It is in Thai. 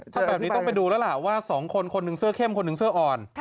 ถ้าแบบนี้ต้องไปดูแล้วล่ะว่า๒คนคนหนึ่งเสื้อเข้มคนหนึ่งเสื้ออ่อน